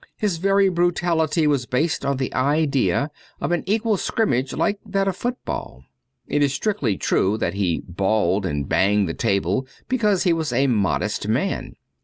His very brutality was based on the idea of an equal scrimmage like that of football. It is strictly true that he bawled and banged the table because he was a modest man.